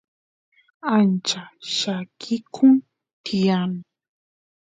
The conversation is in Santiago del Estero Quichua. ancha llakikun tiyan